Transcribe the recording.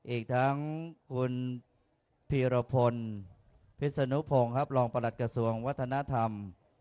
อีกทั้งคุณพีรพลพิศนุพงศ์ครับรองประหลัดกระทรวงวัฒนธรรม